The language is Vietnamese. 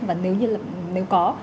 và nếu như là nếu có